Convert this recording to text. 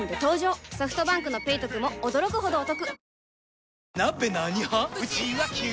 ソフトバンクの「ペイトク」も驚くほどおトク